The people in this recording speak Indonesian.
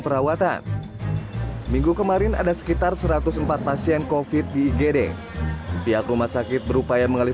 perawatan minggu kemarin ada sekitar satu ratus empat pasien kofit di igd pihak rumah sakit berupaya mengalih